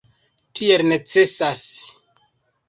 Tiel necesas.